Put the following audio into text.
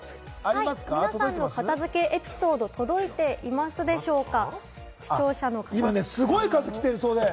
皆さんの片付けエピソード、届いていますでしょうか？